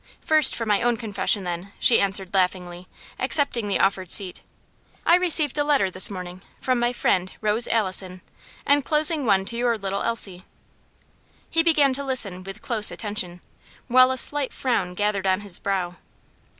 "First for my own confession then," she answered laughingly, accepting the offered seat. "I received a letter this morning from my friend, Rose Allison, enclosing one to your little Elsie." He began to listen with close attention, while a slight frown gathered on his brow.